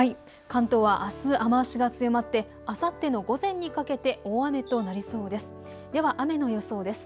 関東はあす雨足が強まってあさっての午前にかけて大雨となりそうです。